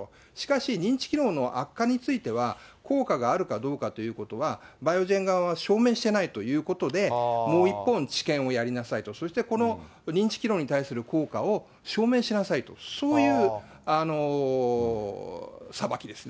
つまり、認知機能の悪化については、効果があるかどうかということは、バイオジェン側は証明していないということで、もう一方の治験をやりなさいと、そして認知機能に対する効果を証明しなさいと、そういう裁きですね。